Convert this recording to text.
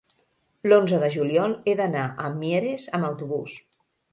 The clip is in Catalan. l'onze de juliol he d'anar a Mieres amb autobús.